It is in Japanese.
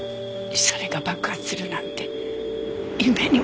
それが爆発するなんて夢にも思わない。